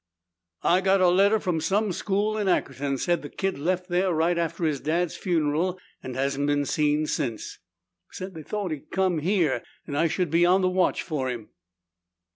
"I got a letter from some school in Ackerton. Said the kid left there right after his dad's funeral and hasn't been seen since. Said they thought he'd come here and I should be on the watch for him."